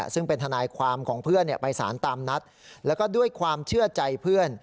ซึ่งเป็นทนายความของเพื่อนไปสารตามนัดแล้วก็ด้วยความเชื่อใจเพื่อน